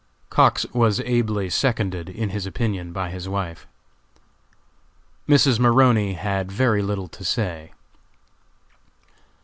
Cox was ably seconded in his opinion by his wife. Mrs. Maroney had very little to say.